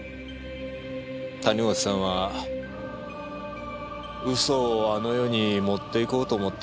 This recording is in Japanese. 谷本さんは嘘をあの世に持っていこうと思ったんだろうよ。